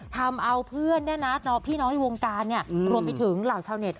ทำเอาเพื่อนพี่น้องในวงการรวมไปถึงเหล่าชาวเน็ต